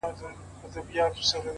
هره هڅه د بریا پیل ټکی دی؛